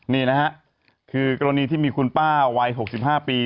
นี่นะฮะคือกรณีที่มีคุณป้าวัย๖๕ปี